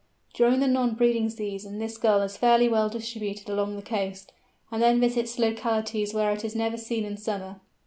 During the non breeding season this Gull is fairly well distributed along the coast, and then visits localities where it is never seen in summer.